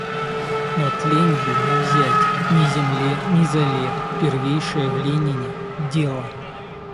Но тленью не взять — ни земле, ни золе — первейшее в Ленине — дело.